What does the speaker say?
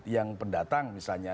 yang pendatang misalnya